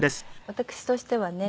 私としてはね